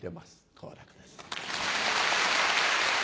好楽です。